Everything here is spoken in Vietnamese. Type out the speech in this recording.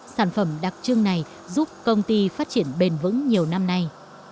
sản phẩm đặc trưng này giúp công ty phát triển bền vững nhiều năm nay